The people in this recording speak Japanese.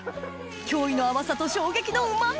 驚異の甘さと衝撃のうま味！